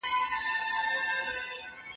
اګوست کُنت د ټولنپوهني پلار ته دی.